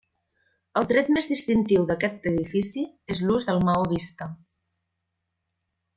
El tret més distintiu d'aquest edifici és l'ús del maó vista.